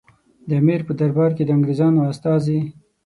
د امیر په دربار کې د انګریزانو استازي.